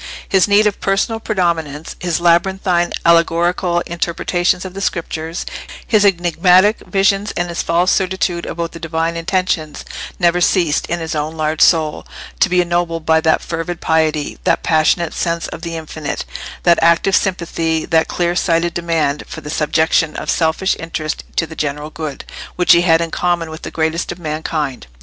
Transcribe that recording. His need of personal predominance, his labyrinthine allegorical interpretations of the Scriptures, his enigmatic visions, and his false certitude about the Divine intentions, never ceased, in his own large soul, to be ennobled by that fervid piety, that passionate sense of the infinite, that active sympathy, that clear sighted demand for the subjection of selfish interests to the general good, which he had in common with the greatest of mankind.